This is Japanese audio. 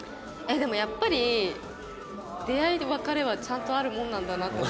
でもやっぱり出会いと別れはちゃんとあるもんなんだなと思って。